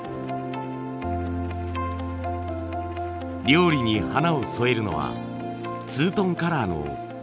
料理に花を添えるのはツートンカラーのモダンなぐい飲み。